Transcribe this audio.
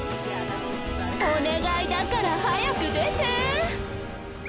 お願いだから早く出て！